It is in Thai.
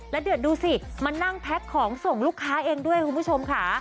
แล้วเดือดดูสิมานั่งแพ็คของส่งลูกค้าเองด้วยคุณผู้ชมค่ะ